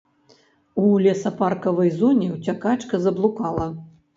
У лесапаркавай зоне ўцякачка заблукала.